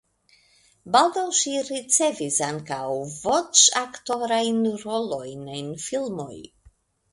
Baldaŭ ŝi ricevis ankaŭ voĉaktorajn rolojn en filmoj.